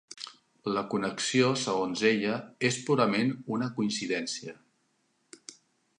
La connexió, segons ella, és purament una coincidència.